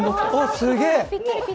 すげえ！